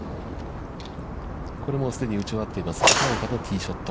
これも既に打ち終わってます片岡のティーショット。